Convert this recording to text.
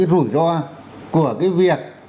rủi ro của cái việc